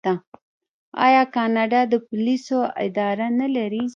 آیا کاناډا د پولیسو اداره نلري؟